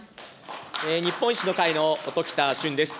日本維新の会の音喜多駿です。